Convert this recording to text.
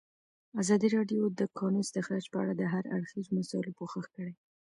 ازادي راډیو د د کانونو استخراج په اړه د هر اړخیزو مسایلو پوښښ کړی.